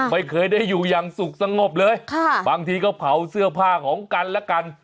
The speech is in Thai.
ไม่เคยได้อยู่อย่างสุขสงบเลยค่ะบางทีก็เผาเสื้อผ้าของกันและกัน